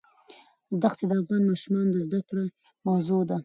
دښتې د افغان ماشومانو د زده کړې موضوع ده.